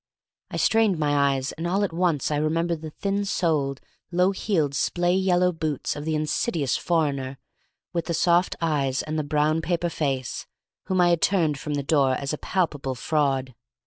I strained my eyes, and all at once I remembered the thin soled, low heeled, splay yellow boots of the insidious foreigner, with the soft eyes and the brown paper face, whom I had turned from the door as a palpable fraud.